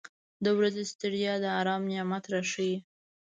• د ورځې ستړیا د آرام نعمت راښیي.